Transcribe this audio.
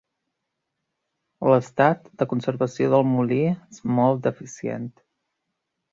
L'estat de conservació del molí és molt deficient.